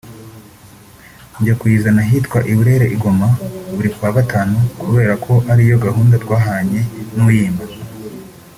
njya kuyizana ahitwa mu Birere i Goma buri ku wa Gatanu kubera ko ariyo gahunda twahanye n’uyimpa